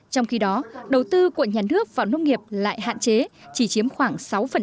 trong khi đó đầu tư của nhà nước vào nông nghiệp lại hạn chế chỉ chiếm khoảng sáu